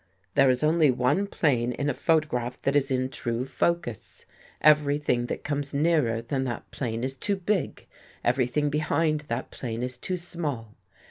There is only one plane in a photograph that is in true focus. Everything that comes nearer than that plane is too big. Everything be hind that plane is too small.